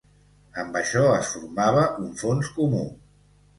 Amb això es formava un fons comú.